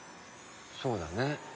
そうだね。